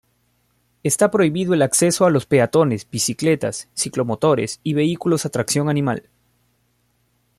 Está prohibido el acceso a los peatones, bicicletas, ciclomotores y vehículos a tracción animal.